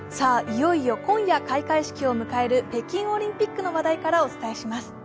いよいよ今夜、開会式を迎える北京オリンピックの話題からお伝えします。